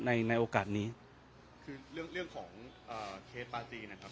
ในในโอกาสนี้คือเรื่องเรื่องของเอ่อเคสปาจีนะครับ